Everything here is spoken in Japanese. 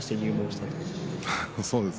そうですね。